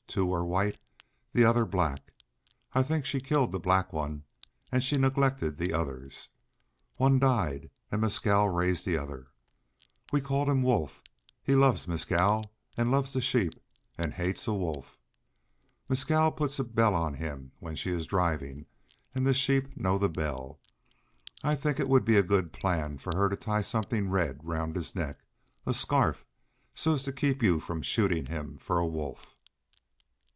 Two were white, the other black. I think she killed the black one. And she neglected the others. One died, and Mescal raised the other. We called him Wolf. He loves Mescal, and loves the sheep, and hates a wolf. Mescal puts a bell on him when she is driving, and the sheep know the bell. I think it would be a good plan for her to tie something red round his neck a scarf, so as to keep you from shooting him for a wolf."